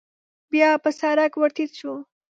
بيا په سړک ور ټيټ شو.